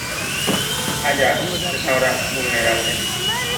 Áyax es ahora vulnerable.